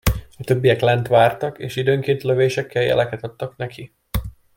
A többiek lent vártak, és időnként lövésekkel jeleket adtak neki.